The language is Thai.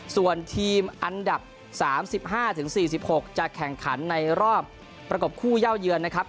ส่วนทีมอันดับ๓๕๔๖จะแข่งขันในรอบประกบคู่เย่าเยือนนะครับ